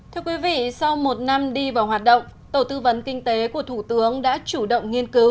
thưa quý vị sau một năm đi vào hoạt động tổ tư vấn kinh tế của thủ tướng đã chủ động nghiên cứu